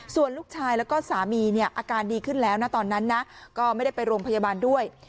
ส่วนลูกชายแล้วก็สามีเนี่ยอาการดีขึ้นแล้วนะตอนนั้นนะก็ไม่ได้ไปโรงพยาบาลด้วย